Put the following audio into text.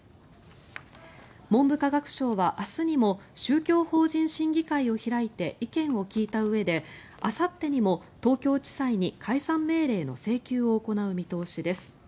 文部科学省は明日にも宗教法人審議会を開いて意見を聞いたうえであさってにも東京地裁に解散命令の請求を行う見通しです。